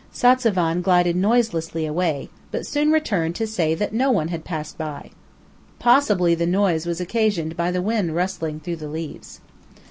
Satzavan glided noiselessly away, but soon returned to say no one had passed by. Possibly the noise was occasioned by the wind rustling through the leaves.